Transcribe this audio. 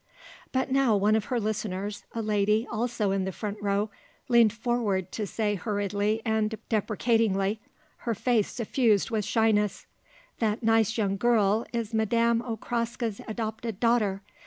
But now one of her listeners, a lady also in the front row, leaned forward to say hurriedly and deprecatingly, her face suffused with shyness: "That nice young girl is Madame Okraska's adopted daughter.